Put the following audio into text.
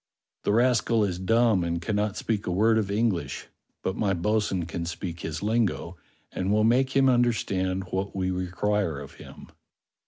"The rascal is dumb and cannot speak a word of English; but my bo'sun can speak his lingo and will make him under stand what we require of him."